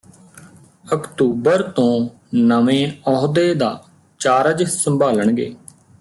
October ਤੋਂ ਨਵੇਂ ਅਹੁਦੇ ਦਾ ਚਾਰਜ ਸੰਭਾਲਣਗੇ